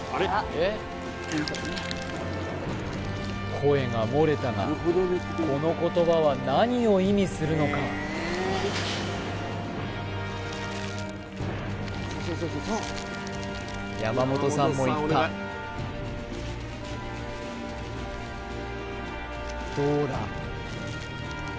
声が漏れたがこの言葉は何を意味するのか山本さんもいったどうだ？